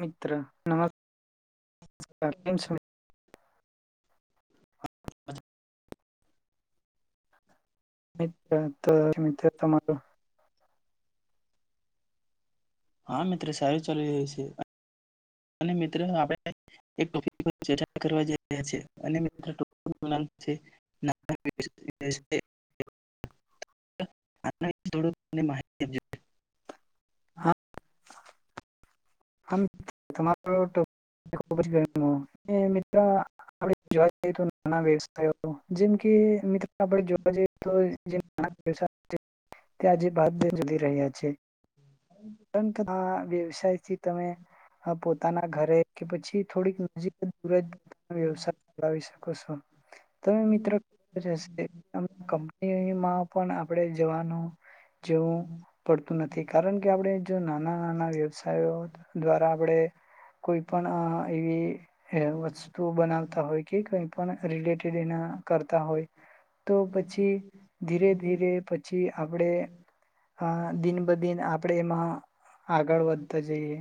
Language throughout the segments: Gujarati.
મિત્ર નમસ્કાર કેમ છો? [inaudible] [unintelligible] હા મિત્ર સારું ચાલી રહ્યું સે. અને મિત્ર આપણે [inaudible] [inaudible] [inaudible] થોડું માહિતી આપ [inaudible] હમ તમારો [inaudible] ખુબજ [inaudible] એ મિત્ત્રા આપણે જોવા જઈએ તો નાના વ્યવસાયો જેમ કે મિત્રો આપે જોવા જઈએ તો જે નાના વ્યવસાયો છે તે આજે બાદ [inaudible] છે. [inaudible] વ્યવસાય થી તમે આ પોતાના ઘરે કે પછી થોડીક નજીક દૂરે વ્યવસાય ચલાવી શકો છો. તમે મિત્ર રહેશે [unintelligible] આમ કંપની માં પણ આપણે કઈ જવાનું જવું પડતું નથી કારણ કે આપડે જો નાના નાના વ્યવસાયો દ્વારા આપણે કોઈ પણ અહ એવી હૈ વસ્તુ બનાવતા હોય કે કંઈ પણ રિલેટેડ એના કરતા હોય તો પછી ધીરે ધીરે પછી આપણે આ દિન બ દિન આપણે એમાં આગળ વધતા જઈએ.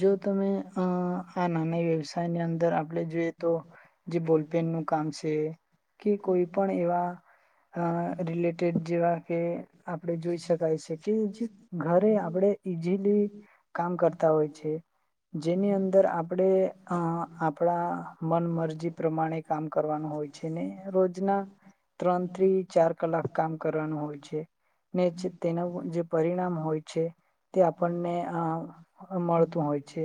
જો તમે અહ આ નાના વ્યવસાયની અંદર આપણે જે તો જે બોલપેન નું કામ સે કે કોઈ પણ એવા અહ રિલેટેડ જેવા કે આપ આપડે જોઈ શકાય છે કે જે ઘરે આપણેે ઈઝીલી કરતાં હોય છે જેની અંદર આપણે અ આપણા મન મરજી પ્રમાણે કામ કરવાનું હોય છે ને રોજના ત્રણ થી ચાર કલાક કામ કરવાનું હોય છે ને તેનું જે પરિણામ હોય છે તે આપણને અ મળતું હોય છે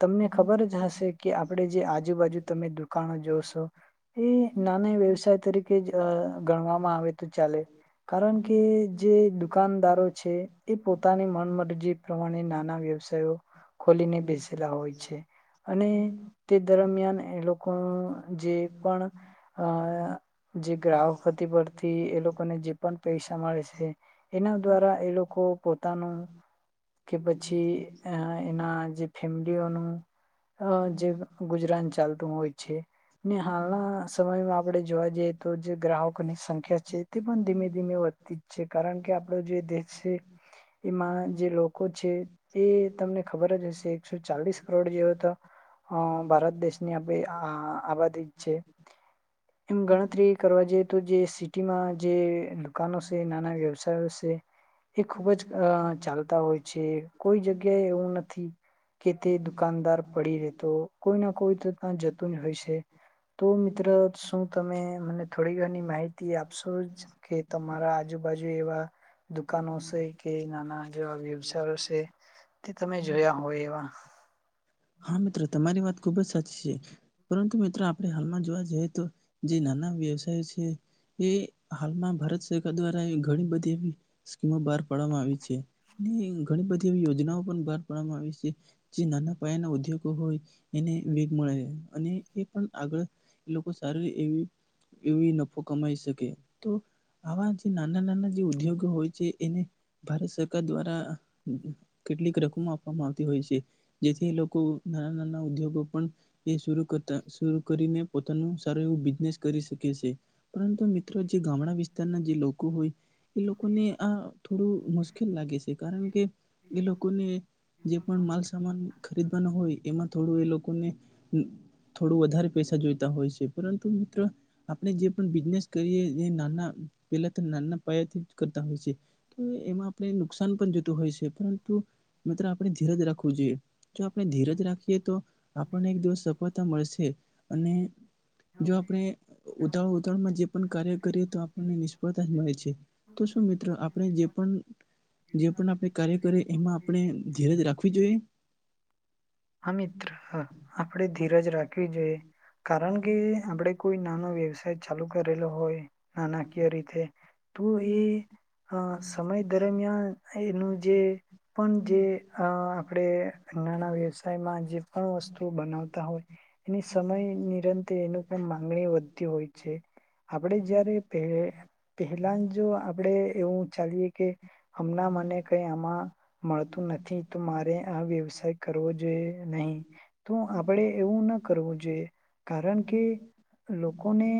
તમને ખબર જ હશે કે આપણે જે આજુબાજુ તમે દુકાનો જોશો એ નાના વ્યવસાય તરીકે જ અ ગણવામાં આવે તો ચાલે. કારણ કે જે દુકાનદારો છે એ પોતાને મરજી પ્રમાણે ના વ્યવ ખોલીને બેસેલા હોય છે અને તે દરમિયાન એ લોકો જે પણ જે ગ્રાહકતી પરથી એ લોકોને જે પણ પૈસા મળે છે એના દ્વારા એ લોકો પોતાનું પછી એના જે ફેમિલીઓનું જે ગુજરાન ચાલતું હોય છે ને હાલના સમયમાં આપણે જોવા જઈએ તો જે ગ્રાહકોની સંખ્યા છે તે પણ ધીમે ધીમે વધતી જ છે કારણ કે આપડો જે દેશ છે એમાં જે લોકો છે એ તમને ખબર જ હશે એકસો ચાલીસ કરોડ જેવ તો ભારત દેશની આપે આબાદી છે એમ ગણતરી કરવા જઈએ તો જે સિટીમાં જે દુકનો છે નાના વ્યવસાયો છે એ ખૂબ જ અ ચાલતા હોય છે કોઈ જગ્યાએ એવું નથી કે તે દુકાનદાર પડી રતો કોઈ ના કોઈ તો ત્યાં જતું જ હોય છે તો મિત્ર શ તમે મને થોડી ઘની માહિતી આપશો જ કે તમારા આજુબાજુ એવા દુકાનો છે કે નાના જેવા વ્યવસાયો છે તે તમે જોયા હોય એવા હા મિત્રો તમારી વાત ખુબ જ સાચી છે પરંતુ મિત્રો આપણે હાલમાં જોવા જઈએ તો જે નાના વ્યવસાય છે એ હાલમાં ભારત સરકાર દ્વારા ઘણી બધી એવી સ્કીમો બહાર પાડવામાં આવી છે અને ઘણી બધી એવી યોજનાઓ પણ આવે છે જે નાના યા ના ઉદ્યોગો હોય એને વેગ મળે અને એ પણ આગળ લોકો સારી એવી એવી નફો કમાઈ શકે તો આવા જે નાના નાના જે ઉદ્યોગો હોય છે એને ભારત સરકાર દ્વારા કેટલીક રકમો આપવામાં આવતી હોય છે જેથી લોકો નાના નાના ઉદ્યોગો પણ એ કરતા શ કરીને પોતાનું સારું એવું બિઝનેસ કરી શકે છે પરંતુ મિત્રો જે ગામડા વિસ્તારના જે લોકો હોય એ લોકોને આ થોડું મુશ્કેલ લાગે છે કારણ કે એ લોકોને જે પણ માલસામાન હોય એમાં થોડું એ લોકોને થોડું વધારે પૈસા જોઈતા હોય છે પરંતુ મિત્રો આપણે જે પણ બિઝનેસ કરીએ એ નાના પેલા નાના પ્રયત્ન કરતા હોય છે તો એમાં આપણે નુકસાન પણ જોતું હોય છે પરંતુ મિતત્ર આપણે ધીરજ રાખવું જોઈએ આપણે ધીરજ રાખીએ તો આપણને એક દિવસ સફળતા મળશે અને જો આપણે ઉતાળ ઉતળમાં જે પણ કાર્ય કરીએ તો આપણને નિષ્ફળતા જ મળે છે તો શું મિત્રો આપણે જે પણ આપણે કાર્ય કરે એમાં આપણે ધીરજ રાખવી જોઈએ હા મિત્ર આપડે ધીરજ રાખવી જોઈએ કારણ કે આપડે કોઈ નાનો વ્યવસાય ચાલુ કરેલો હોય નાણાકીય રીતે તો એ સમય દરમિયાન એનું જે પણ જે અ આપણે નાના વ્યવસાયમાં જે પણ વસ્તુ બનાવતા હોય એની સમય નિરંતર એનું પણ માંગણી વધતી હોય છે. આપણે જયારે પેહ પહેલા જો આપણેે એવું ચાલીએ કે હમણાં મને કઈ આમાં મળતું નથી તો મારે આ વ્યવસાય કરવો જોઈ નહી. તો આપણેે એવું ન કરવું જોયે. કારણ કે લોકોને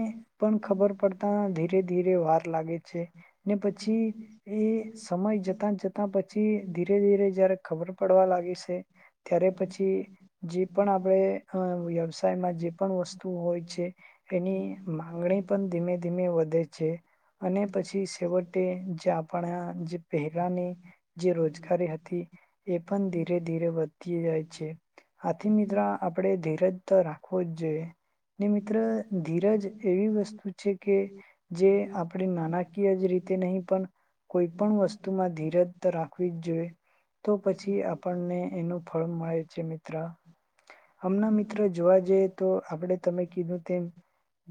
પણ ખબર પડતા ધીરે ધીરે વાર લાગે છે. ને પછી ઇ સમય જ જતા જતા પછી ધીરે ધીરે જયારે ખબર પડવા લાગી છે ત્યારે પછી જે પણ આપણે અ વ્યવસાયમાં જે પણ વસ્તુ હોય છે એની માંગણી પણ ધીમે ધીમે વધે છે અને પછી છેવટે જે આ પન જે પેહલાની જે રોજગારી હતી એ પણ ધીરે ધીરે વધતી જાય છે. આથી મિત્ર આપણે ધીરજ તો રાખવો જ જોઈએ ને મિત્ર ધીરજ એવી વસ્તુ છે કે જે આપણે નાણાકીય જ રીતે નહી પણ કોઈ પણ વસ્તુમાં ધીરજ ત રાખવી જ જોઈએ. તો પછી આપણને એનું ફળ મળે છે મિત્ર હમણાં મિત્ર જોવા જઈએ તો આપણે તમે કીધું તેમ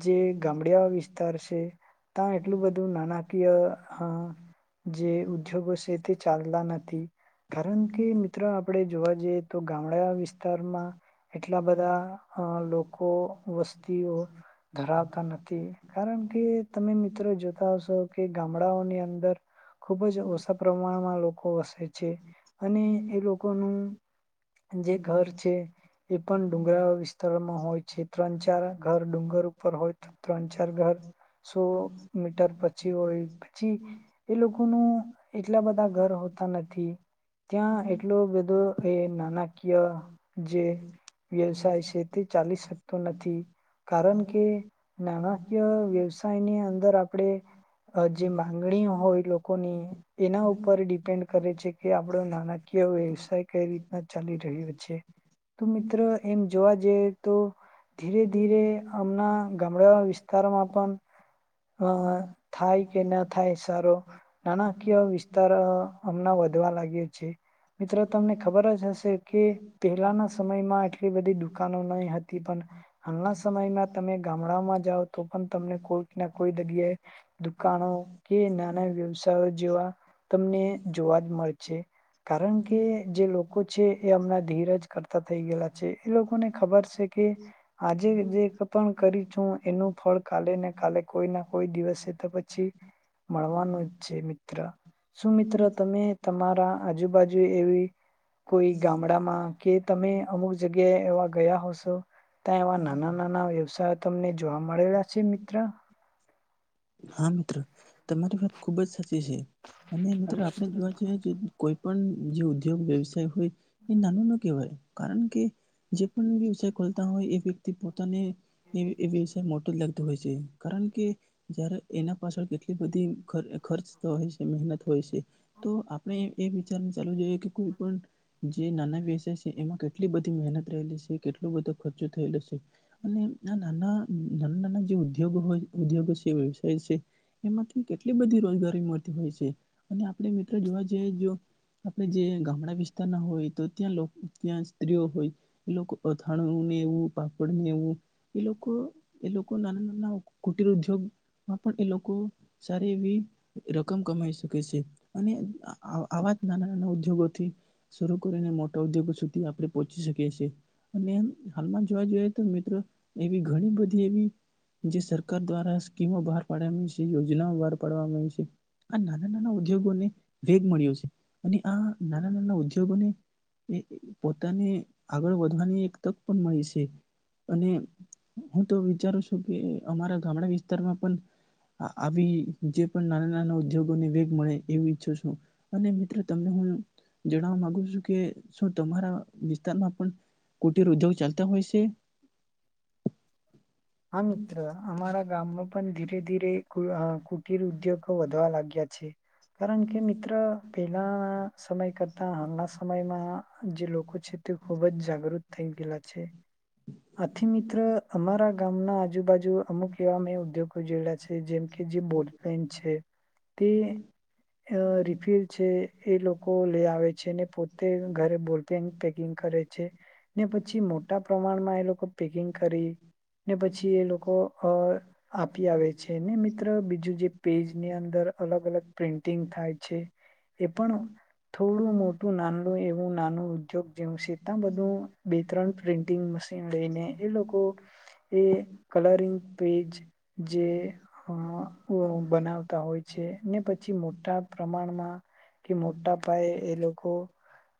જે ગામડયા વિસ્તાર છે ત્યાં એટલું બધું નાણાકીય હ જે ઉદ્યોગો છે તે ચાલલા નથી. કારણ કે મિત્રો આપણે જોવા જઈએ તો ગામડા વિસ્તારમાં એટલા બધા અ લોકો વસ્તીઓ ધરાવતા નથી. કારણ કે તમે મિત્રો જોતા હશો કે ગામડાઓની અંદર ખૂબ જ ઓછા પ્રમાણમાં લોકો વસે છે. અને એ લોકોનું જે ઘર છે એ પણ ડુંગરારો વિસ્તારમાં હોય છે ત્રણ ચાર ઘર ડુંગર ઉપર હોય તો ત્રણ ચાર ઘર સો મીટર પછી હોય. પછી એ લોકોનું એટલા બધા ઘર હોતા નથી. ત્યાં એટલુ બધુ એ નાણાકીય જે વ્યવસાય છે તેથી ચાલીસ શકતો નથી. કારણ કે નાના વ્ય વ્યવસાયની અંદર આપણેે અ જે માંગણી હોય લોકોની એના ઉપર ડિપેન્ડ કરે છે કે આપડો નાણાકીય વ્યવસાય કઈ રીતના ચાલી રહ્યો છે. તો મિત્ર એમ જોવા જઈ તો ધીરે ધીરે અમના ગામડા વિસ્તારમાં પણ અ થાય કે ના થાય સારો નાણાકીય વિસ્તાર હમણાં વધવા લાગ્યો છે. મિત્રો તમને ખબર જ હશે કે પહેલાના સમયમાં એટલી બધી દુકાનો નહી હતી પણ હાલના સમયમાં તમે ગામડામાં જાઓ તો પણ તમને કોઈક ન કોઈ જગ્યાએ દુકાનો કે નાના વ્યવસાય જેવા તમને જોવા જ મળ છે કારણ કે કે જે લોકો છે એ હમણાં ધીરજ કરતા થઈ ગયેલા છે. એ લોકોને ખબર છે કે આજે જે પણ કરી છું એનું ફળ કાલે ને કાલે કોઈ ના કોઈ દિવસે તો પછી મળવાનું. છે મિત્ર સુ મિત્ર તમે તમારા આજુબાજુ એવી કોઈ ગામડામાં કે તમે અમુક જગ્યાએ એવા ગયા હોશો ત્યાં એવા નાના નાના વ્યવસાય તમને જોવા મળેલા છે મિત્ર. હા મિત્રો તમારી વાત ખૂબ જ સ [inaudible] અને મિત્રો આપણે જોવા જઈએ છે કોઈ પણ જે ઉદ્યોગ વ્યવસાય હોય. એ નાનું નો કેવાય. કારણ કે, જે પણ વિષાય ખોલતા હોય, એ વ્યક્તિ પોતે ને એષ મોટું જ લગતું હોય છે. કારણ કે, જ્યારે, એના પાછળ કેટલી બધી ખર્ચ હોય છે. મહેનત હોય છે, તો આપણે એ વિચાર ચાલવું જોઈએ. કે કોઈ પણ જે નાના વ્યવસાય છે. એમાં કેટલી બધી મહેનત રહેલી છે. એ કેટલું બધો ખર્ચું થઈ જશે. અને ના નાના ન ના જે ઉદ્યોગ હોય, ઉદ્યોગ સ વ થ છે. એમાં, કેટલી બધી રોજગારી મળતી હોય છે. અને આપડે મિત્રો જોવા જઈએ, આપણે જે ગામડા વિ ના હોય, તો ત્યાં ત્યાં સ્ત્રીઓ હોય, એ લોકો અથાણું ને એવું પાપડને એવું એ લોકો લોકોના લોકો નાનુટ ધ્રૂ ઉદ્યોગ માં પણ એ લોકો સારી એવી રકમ કમાઈ શકે છે. અને આવા જ નાના નાના ઉદ્યોગોથી શ કરીને મોટા ઉદ્યોગો સુધી આપણે પહોચી શકીએ છીએ. અને હાલમાં જોવા જોઈએ, તો મિત્રો એવી ઘણી બધી એવી, જે સરકાર દ્વારા, બહાર પાડ છે. યોજના બહાર પાડવામાં આવી છે. આ નાના નાના ઉદ્યોગોને વેગ મળ્યો છે. અને આ નાના નાના ઉદ્યોગોને એ પોતાને આગળ વધવાની એક તક પણ મળી છે. અને હું તો વિચારું છું, કે અમારા અમણા બી તમાં પણ આવી જે પણ ના ઉદ્યોગોને વેગ મળે એવું ઈચ્છો છું. મિત્રો તને હું, જણાવવા માગુ છું, કે શું તમારા વિસ્તારમાં પણ કુટીર ઉદ્યોગ ચાલતા હોય છે. હા મિત્ર અમારા ગામમાં પણ ધીરે ધીરે ખુલ અ કુટિર ઉદ્યોગો વધવા લાગ્યા છે. કારણ કે, મિત્ર પહેલાના સમય કરતા હાલના સમયમાં જે લોકો છે, તે ખૂબ જ જાગૃત થઈ ગયેલા છે. આથી મિત્ર અમારા ગામના આજુબાજુ અમુક એવા મેં ઉદ્યોગ જોઈલા છે. જેમ કે જે બોલપેન છે. તે રિફિલ છે. એ લોકો લઈ આવે છે. ને પો તે ઘરે બોલપેન પેકિંગ કરે છે. ને પછી મોટા પ્રમાણમાં એ લોકો પેકિંગ કરી ને પછી એ લોકો અ આપી આવે. છે ને મિત્રો બીજું જે પેજ ની અંદર અલગ અલગ પ્રિન્ટિંગ થાય છે. એ પણ થોડું મોટું ના એવું નાનું ઉદ્યોગ જેવું છે. ત બધું બે ત્રણ પ્રિન્ટિંગ મ લઈને તેને એ લોકો એ કલરિંગ પેજ જે હા હું બનાવતા હોય છે. ને પછી મોટા પ્રમાણમાં કે મોટા પાયે એ લોકો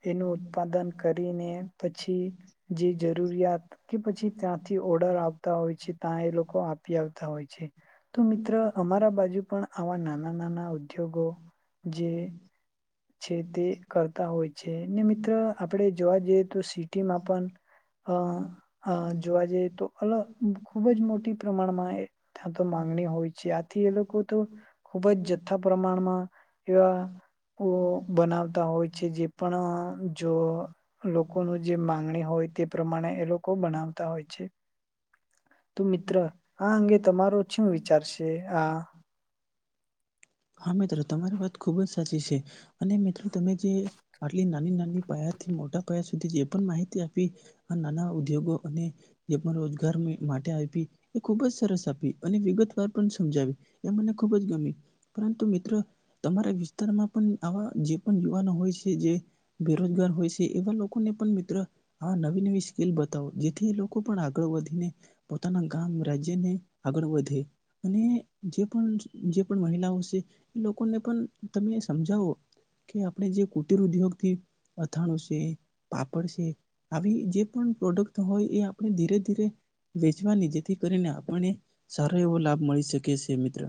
એનું ઉત્પાદન કરીને પછી જે જરૂરિયાત કે પછી ત્યાંથી ઓર્ડર આવતા હોય છે. તા એ લોકો આપી આવતા હોય છે. તો મિત્ર અમારા બાજુ પણ આવા નાના નાના ઉદ્યોગો જે છે તે કરતા હોય છે. ને મિત્ર આપણે જોવા જઈએ તો સિટીમાં પણ અ અ જોવા જઈએ તો અલગ ખૂબ જ મોટી પ્રમાણમાં એ ત્યાં તો માંગણી હોય છે. આથી એ લોકો તો ખૂબ જ જથ્થા પ્રમાણમાં એવા ઓ બનાવતા હોય છે, જે પણ અહ જો લોકોનું જે માંગણી હોય તે પ્રમાણે એ લોકો બનાવતા હોય છે. તો મિત્ર હા અંગે તમારો છું વિ ચાર સે આ હા મિત્ર તમારી વાત ખુબ જ સાચી છે. અને મિત્રો તમે જે આટલી નાની નાની પાયાથી મોટા પાયા સુધી જે પણ માહિતી આપી, નાના ઉદ્યોગો અને જે પણ રોજગાર મિ માટે આપી એ ખુબ જ સરસ આપી અને વિગતવાર પણ સમજાવી એ મને ખૂબ જ ગમી. એમ તો મિત્ર તમારા વિસ્તારમાં પણ આવા જે પણ યુવાનો હોય છે, જે બેરોજગાર હોય છે, એવા લોકોને પણ મિત્ર આ નવી નવી સ્કીલ બતાવો જેથી ઈ લોકો પણ આગળ વધે ને પોતાના ગામ રાજ્યને આગળ વધે. અને જે પણ જે પણ મહિલાઓ છ છે એ લોકોને પણ તમે સમજાવો કે આપણે જે કુટિર ઉદ્યોગથી અથાણું છે, પાપડ છે, આવી જે પણ પ્રોડક્ટ હોય એ આપણે ધીરે ધીરે વેચવાની જેથી કરીને આપણને સારો એવો લાભ મળી શકે છે મિત્ર.